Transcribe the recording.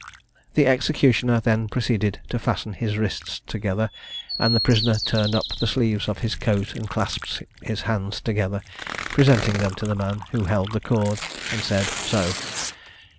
The executioner then proceeded to fasten his wrists together, and the prisoner turned up the sleeves of his coat, and clasped his hands together, presenting them to the man, who held the cord, and said, "So."